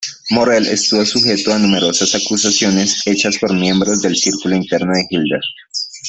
Morell estuvo sujeto a numerosas acusaciones hechas por miembros del círculo interno de Hitler.